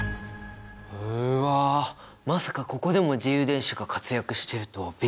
まさかここでも自由電子が活躍してるとはびっくり！